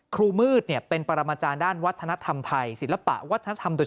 ครูมืดเป็นปรมาจารย์ด้านวัฒนธรรมไทยศิลปะวัฒนธรรม